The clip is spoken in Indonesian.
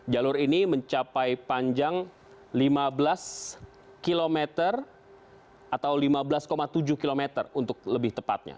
jalur ini mencapai panjang lima belas km atau lima belas tujuh km untuk lebih tepatnya